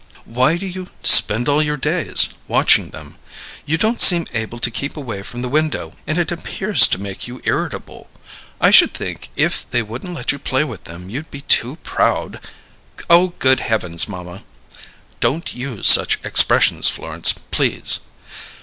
"Why do you 'spend all your days' watching them? You don't seem able to keep away from the window, and it appears to make you irritable. I should think if they wouldn't let you play with them you'd be too proud " "Oh, good heavens, mamma!" "Don't use such expressions, Florence, please."